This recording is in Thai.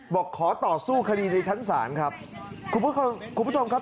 บอกขอต่อสู้คดีในชั้นศาลครับคุณผู้ชมครับ